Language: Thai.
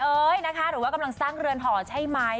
นะคะหรือว่ากำลังสร้างเรือนหอใช่ไหม